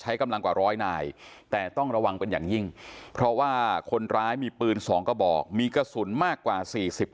รำรวจก็ปิดล้อมไล่มันสวมประหลังไล่อ้อยท้ายหมู่บ้านบ้านโคกสะอาดที่ตำบลทองหลางไล่อ้อยท้ายหมู่บ้าน